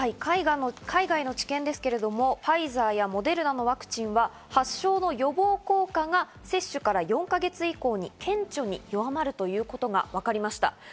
海外の治験ですけど、ファイザーやモデルナのワクチンは発症の予防効果が接種から４か月以降に顕著に弱まるということがわかりました。